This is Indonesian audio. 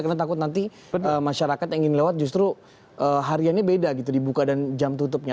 karena takut nanti masyarakat yang ingin lewat justru hariannya beda gitu dibuka dan jam tutupnya